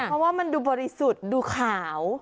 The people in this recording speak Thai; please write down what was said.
เพราะว่ามันดูบริสุทธิ์ดูขาว